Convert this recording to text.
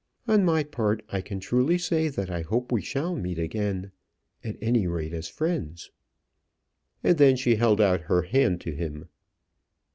On my part I can truly say that I hope we shall meet again at any rate, as friends." And then she held out her hand to him.